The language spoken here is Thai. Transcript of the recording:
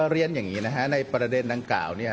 เรียนอย่างนี้นะฮะในประเด็นดังกล่าวเนี่ย